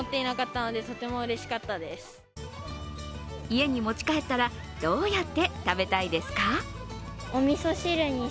家に持ち帰ったらどうやって食べたいですか？